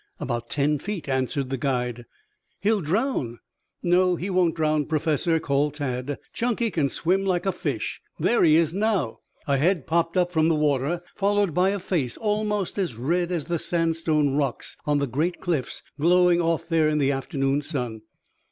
"About ten feet," answered the guide. "He'll drown!" "No he won't drown, Professor," called Tad. "Chunky can swim like a fish. There he is now." A head popped up from the water, followed by a face almost as red as the sandstone rocks on the great cliffs glowing off there in the afternoon sun.